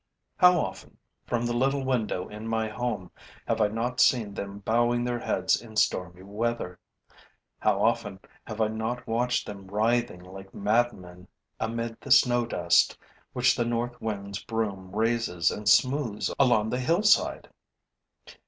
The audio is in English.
How often, from the little window in my home, have I not seen them bowing their heads in stormy weather; how often have I not watched them writhing like madmen amid the snow dust which the north wind's broom raises and smoothes along the hillside!